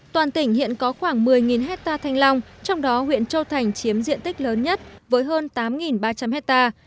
toàn tỉnh hiện có khoảng một mươi hectare thanh long trong đó huyện châu thành chiếm diện tích lớn nhất với hơn tám ba trăm linh hectare